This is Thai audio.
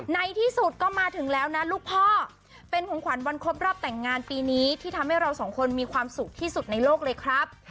ในที่สุดก็มาถึงแล้วนะลูกพ่อเป็นของขวัญวันครบรอบแต่งงานปีนี้ที่ทำให้เราสองคนมีความสุขที่สุดในโลกเลยครับ